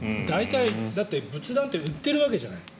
だって、仏壇って売ってるわけじゃない。